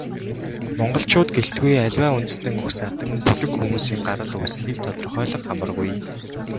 Монголчууд гэлтгүй, аливаа үндэстэн угсаатан, бүлэг хүмүүсийн гарал үүслийг тодорхойлох амаргүй.